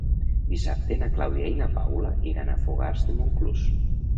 Dissabte na Clàudia i na Paula iran a Fogars de Montclús.